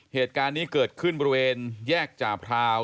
เหตุการณ์นี้เกิดขึ้นบริเวณแยกจ่าพราว